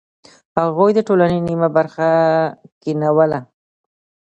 هغوی د ټولنې نیمه برخه کینوله.